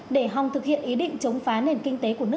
để hòng thực hiện ý định chống phá nền kinh tế của nước